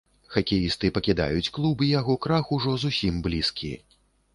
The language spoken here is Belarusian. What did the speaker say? Хакеісты пакідаюць клуб і яго крах ужо зусім блізкі.